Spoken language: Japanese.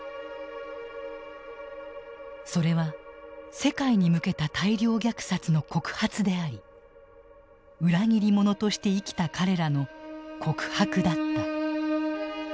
それは世界に向けた大量虐殺の告発であり裏切り者として生きた彼らの告白だった。